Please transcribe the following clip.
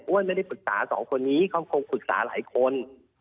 อ้วนไม่ได้ปรึกษา๒คนนี้เค้าคงปรึกษาหลายคน